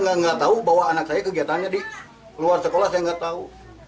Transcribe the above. saya nggak tahu bahwa anak saya kegiatannya di luar sekolah saya nggak tahu